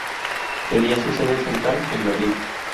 Tenía su sede central en Madrid.